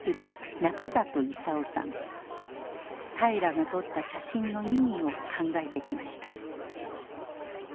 平良が撮った写真の意味を考えてきました。